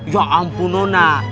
ya ampun nona